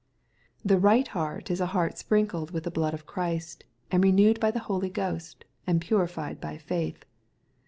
The right heart is a heart sprinkled with the blood of Christ, and renewed by the Holy Ghost, and purified by faith.